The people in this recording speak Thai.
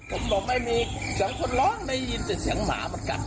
ผมบอกไม่มีเสียงคนร้องได้ยินแต่เสียงหมามันกัด